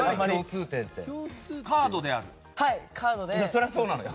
そりゃそうだよ。